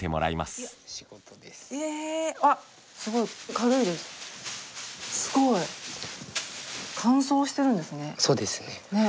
すごい。乾燥してるんですね。